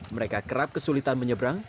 mereka kerap kesulitan menyeberang